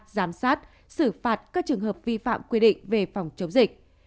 giám sát xử phạt các trường hợp vi phạm quy định về phòng chống dịch